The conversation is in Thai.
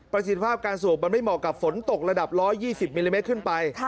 สิทธิภาพการสูบมันไม่เหมาะกับฝนตกระดับ๑๒๐มิลลิเมตรขึ้นไป